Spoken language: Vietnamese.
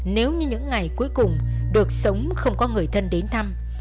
nếu như những ngày cuối cùng được sống không có người thân đến thăm